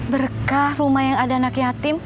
berkah rumah yang ada anak yatim